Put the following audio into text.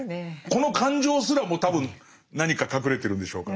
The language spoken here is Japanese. この感情すらも多分何か隠れてるんでしょうか。